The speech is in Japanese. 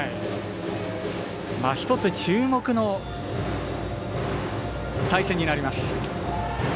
一つ、注目の対戦になります。